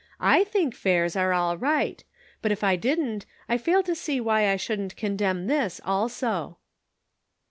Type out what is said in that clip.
1 think fairs are all right, but if I didn't I fail to see why I shouldn't condemn this also."